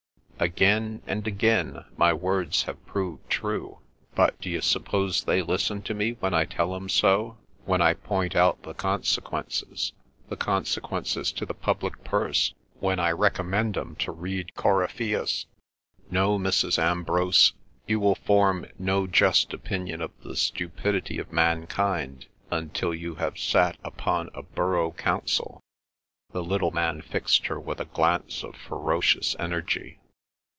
Again and again my words have proved true. But d'you suppose they listen to me when I tell 'em so, when I point out the consequences, the consequences to the public purse, when I recommend 'em to read Coryphaeus? No, Mrs. Ambrose, you will form no just opinion of the stupidity of mankind until you have sat upon a Borough Council!" The little man fixed her with a glance of ferocious energy.